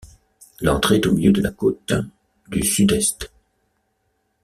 L'entrée est au milieu de la côte du Sud-Est.